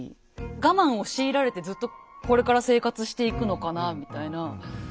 我慢を強いられてずっとこれから生活していくのかなみたいな。